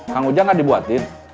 kang uja gak dibuatin